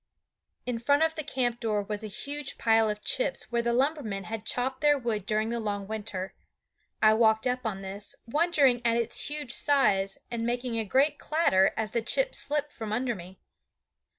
In front of the camp door was a huge pile of chips where the lumbermen had chopped their wood during the long winter. I walked up on this, wondering at its huge size and making a great clatter as the chips slipped from under me.